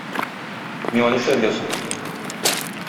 Миңа нишләргә соң?